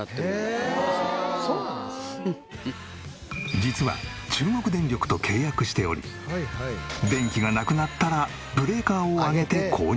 実は中国電力と契約しており電気がなくなったらブレーカーを上げて購入。